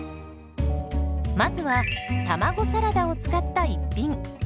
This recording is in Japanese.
まずは卵サラダを使った一品。